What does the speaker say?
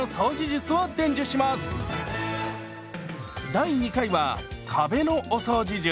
第２回は壁のお掃除術。